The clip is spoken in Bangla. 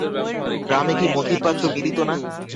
গ্রামে কি মতির পাত্র মিলিত না?